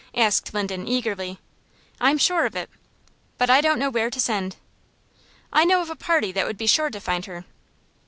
asked Linden, eagerly. "I'm sure of it." "But I don't know where to send." "I know of a party that would be sure to find her."